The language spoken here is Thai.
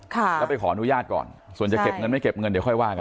แล้วไปขออนุญาตก่อนส่วนจะเก็บเงินไม่เก็บเงินเดี๋ยวค่อยว่ากัน